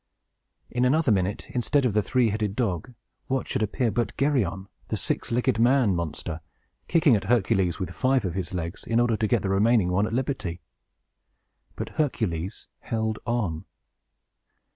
In another minute, instead of the three headed dog, what should appear but Geryon, the six legged man monster, kicking at Hercules with five of his legs, in order to get the remaining one at liberty! But Hercules held on.